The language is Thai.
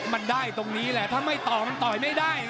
มันได้ตรงนี้แหละถ้าไม่ต่อมันต่อยไม่ได้